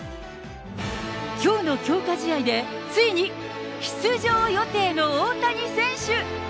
きょうの強化試合で、ついに出場予定の大谷選手。